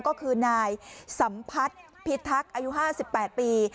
ก็คือนายสัมพัฒน์พิทักษ์อายุ๕๘ปี